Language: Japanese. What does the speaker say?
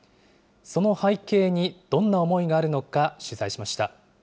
その背景にどんな思いがあるのか、取材しました。